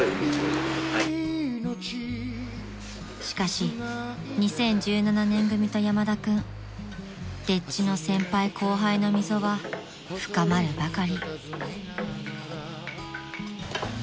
［しかし２０１７年組と山田君丁稚の先輩後輩の溝は深まるばかり］